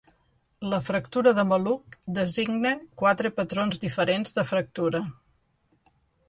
La fractura de maluc designa quatre patrons diferents de fractura.